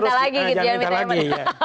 jangan minta lagi gitu ya